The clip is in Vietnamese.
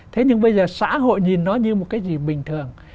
thế nhưng bây giờ xã hội nhìn nó như một cái gì bình thường